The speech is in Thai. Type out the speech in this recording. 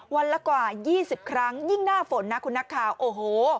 วันละกว่า๒๐ครั้งยิ่งหน้าฝนนะคุณนักข่าวโอ้โห